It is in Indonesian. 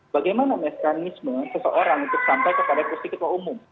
bagaimana mekanisme seseorang untuk sampai ke kaderisasi ketua umum